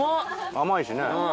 甘いしね。